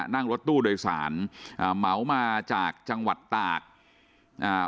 นั่งรถตู้โดยสารอ่าเหมามาจากจังหวัดตากอ่า